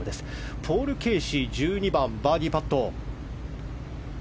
ポール・ケーシー１２番、バーディーパット。